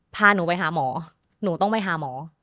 พาหนูไปหาหมอหนูต้องไปหาหมอ